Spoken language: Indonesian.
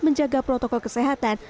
menjaga protokol kesehatan